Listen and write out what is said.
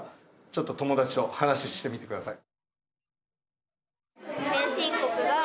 ちょっと友達と話してみて下さい。